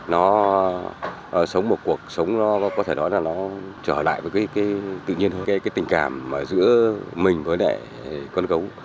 nó sống một cuộc sống có thể nói là nó trở lại với cái tình cảm giữa mình với con gấu